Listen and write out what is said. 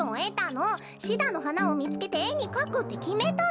シダのはなをみつけてえにかくってきめたの！